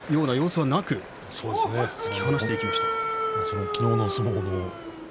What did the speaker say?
今日も何かはたくような様子はなく突き放していきました。